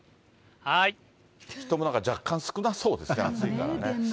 人も若干少なそうですが、暑いからね。